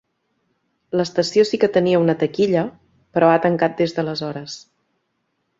L'estació sí que tenia una taquilla, però ha tancat des d'aleshores.